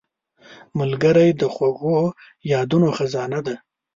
ملګری د خوږو یادونو خزانه ده